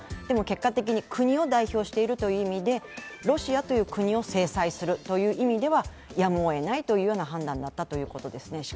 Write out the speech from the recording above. でも結果的に国を代表しているという意味でロシアという国を制裁するという意味ではやむをえないという判断だったということですね。